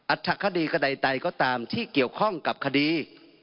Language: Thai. อัฐคดีกระดายไตก็ตามที่เกี่ยวข้องกับคดี